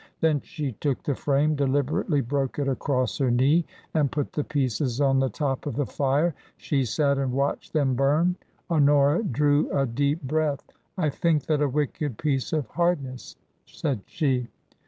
Then she took the frame, deliberately broke it across her knee, and put the pieces on the top of the fire. She sat and watched them burn. Honora drew a deep breath. " I think that a wicked piece of hardness," said she.